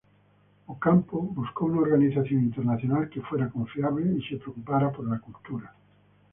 Ocampo buscó una organización internacional que fuera confiable y se preocupara por la cultura.